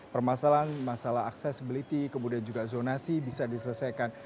permasalahan masalah accessibility kemudian juga zonasi bisa diselesaikan